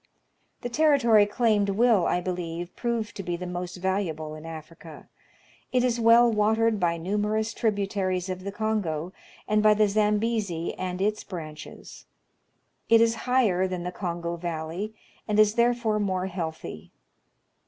The territory claimed will, I believe, prove to be the most valuable in Africa. It is well watered by numerous tributaries of the Kongo and by the Zambezi and its branches. It is higher than the Kongo valley, and is therefore more healthy.